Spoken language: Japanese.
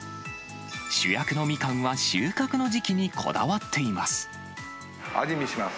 主役のみかんは収穫の時期にこだ味見します。